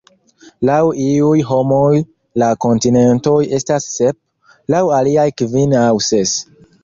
Laŭ iuj homoj la kontinentoj estas sep, laŭ aliaj kvin aŭ ses.